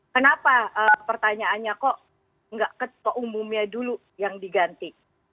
kenapa pertanyaannya kok nggak ketua umumnya dulu yang diganti